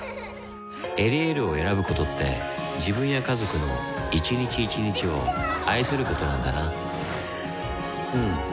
「エリエール」を選ぶことって自分や家族の一日一日を愛することなんだなうん。